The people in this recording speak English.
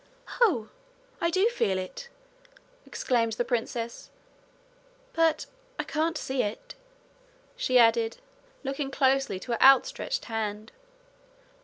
'Oh! I do feel it!' exclaimed the princess. 'But I can't see it,' she added, looking close to her outstretched hand.